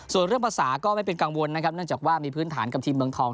ส่วนเรื่องภาษาก็ไม่เป็นกังวลนะครับเนื่องจากว่ามีพื้นฐานกับทีมเมืองทอง